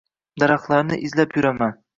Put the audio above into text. Daraxtlarni izlab yuraman.